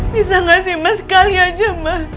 bisa gak sih ma sekali aja ma